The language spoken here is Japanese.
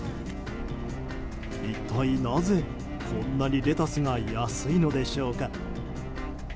一体なぜこんなにレタスが安いのでしょうか。